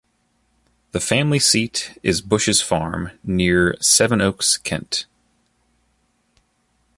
The family seat is Bushes Farm, near Sevenoaks, Kent.